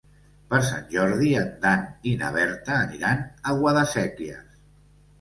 Per Sant Jordi en Dan i na Berta aniran a Guadasséquies.